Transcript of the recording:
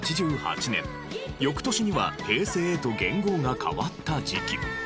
翌年には平成へと元号が変わった時期。